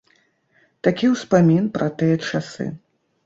Такі ўспамін пра тыя часы.